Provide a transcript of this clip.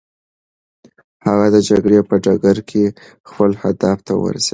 هغه د جګړې په ډګر کې خپل هدف ته ورسېد.